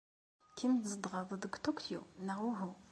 Kemm tzedɣeḍ deg Tokyo, neɣ uhu?